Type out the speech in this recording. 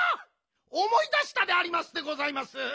おもい出したでありますでございます。